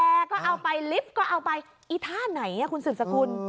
แอร์ก็เอาไปลิฟท์ก็เอาไปไอ้ท่าไหนอ่ะคุณศึกสกุล